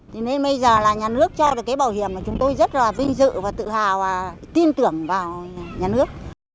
thì nên bây giờ là nhà nước cho được cái bảo hiểm mà chúng tôi rất là vinh dự và tự hào và tin tưởng vào nhà nước